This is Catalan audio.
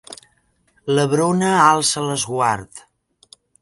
La Bruna alça l'esguard.